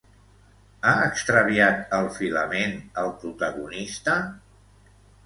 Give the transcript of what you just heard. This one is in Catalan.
Ha extraviat el filament el protagonista?